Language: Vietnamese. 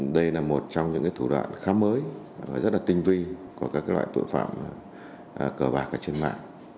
đây là một trong những thủ đoạn khá mới rất là tinh vi của các loại tội phạm cờ bạc trên mạng